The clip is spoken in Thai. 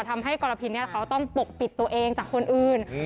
ทำให้กรพินเขาต้องปกปิดตัวเองจากคนอื่น